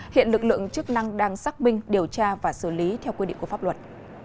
hiện lực lượng chức năng đang xác minh điều tra và xử lý theo quy định của pháp luật